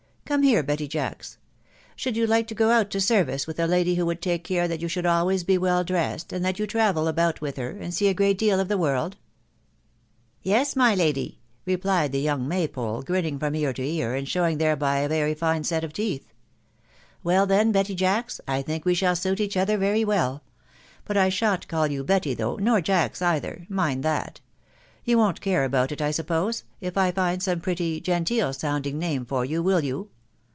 Come here, Betty Jacks. Should you like to go out to service with a lady who would take care that you should always be well dressed, and let you travel about with her, and see a great deal of the world ?"'•* Yes, my lady," replied the young maypole, grinning from ear to ear, and showing thereby a very fine set •£ teeth. " Well then, Betty Jacks, I think we shall suit each other very well. But I shan't call you Betty though, nor Jacks either .... mind that. You wo'n't care about it, I suppose, if I find out some pretty, genteel sounding name for you, will you